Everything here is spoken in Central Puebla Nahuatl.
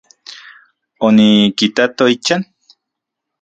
Onikitato ichan.